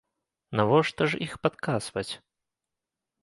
Навошта ж іх падкасваць?